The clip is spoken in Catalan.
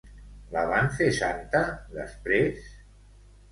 La van fer santa després?